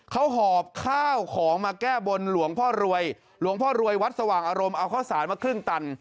เขาหอบข้าวของมาแก้บนหลวงพ่อรวยหลวงพ่อรวยวัดสว่างอารมณ์เอาข้าวสารมาครึ่งตัน